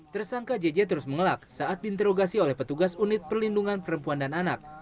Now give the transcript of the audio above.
tersangka jj terus mengelak saat diinterogasi oleh petugas unit perlindungan perempuan dan anak